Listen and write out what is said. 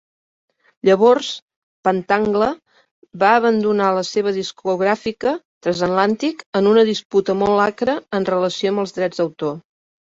Llavors, Pentangle va abandonar la seva discogràfica, Transatlantic, en una disputa molt acre en relació amb els drets d'autor.